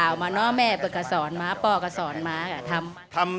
ชื่อคุณอะไรครับ